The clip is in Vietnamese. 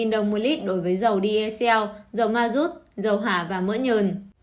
một đồng một lít đối với dầu dsl dầu ma rút dầu hả và mỡ nhờn